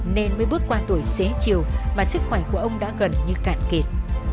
nên mới bước qua tuổi xế chiều mà sức khỏe của ông đã gần như cạn kiệt